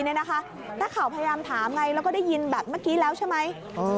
นักข่าวพยายามถามไงแล้วก็ได้ยินแบบเมื่อกี้แล้วใช่ไหม